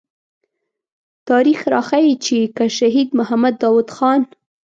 تاريخ راښيي چې که شهيد محمد داود خان.